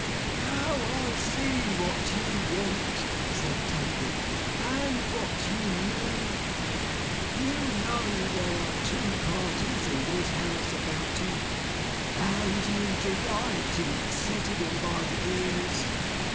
'Now I see what you want,' said Tugby; 'and what you mean. You know there are two parties in this house about you, and you delight in setting 'em by the ears.